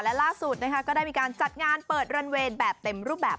และล่าสุดนะคะก็ได้มีการจัดงานเปิดรันเวย์แบบเต็มรูปแบบ